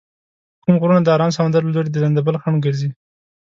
کوم غرونه د ارام سمندر له لوري د لندبل خنډ ګرځي؟